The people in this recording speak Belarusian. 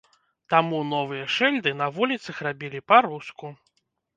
Таму новыя шыльды на вуліцах рабілі па-руску.